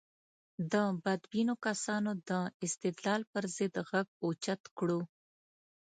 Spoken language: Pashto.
د بدبینو کسانو د استدلال پر ضد غږ اوچت کړو.